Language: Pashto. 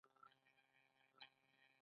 د ازادۍ نشتون به یوه ستونزه وي.